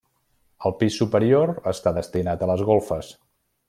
El pis superior està destinat a les golfes.